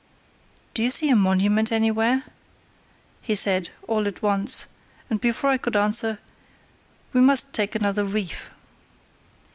"Do you see a monument anywhere?" he said, all at once; and, before I could answer; "We must take another reef."